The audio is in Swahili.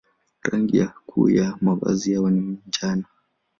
Rangi kuu ya mavazi yao ni njano.